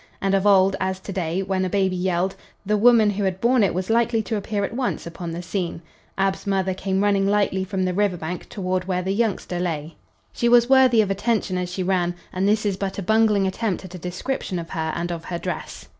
And, of old, as to day, when a baby yelled, the woman who had borne it was likely to appear at once upon the scene. Ab's mother came running lightly from the river bank toward where the youngster lay. She was worthy of attention as she ran, and this is but a bungling attempt at a description of her and of her dress.